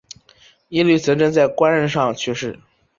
耶律铎轸在官任上去世。